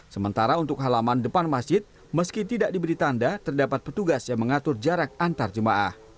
sementara untuk halaman depan masjid meski tidak diberi tanda terdapat petugas yang mengatur jarak antar jemaah